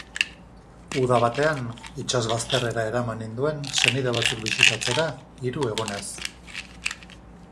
Uda batean itsasbazterrera eraman ninduen senide batzuk bisitatzera hiru egunez.